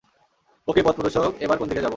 ওকে, পথপ্রদর্শক, এবার কোন দিকে যাব?